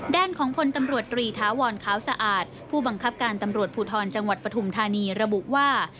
ด้านของพลตำรวจตรีถาวรขาวสะอาดผู้บังคับการตำรวจภูทรจังหวัดปฐุมธานีระบุว่า